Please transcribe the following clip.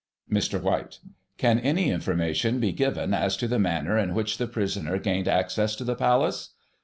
Mr. White: Can any information be given as to the manner in which the prisoner gained access to the Palace?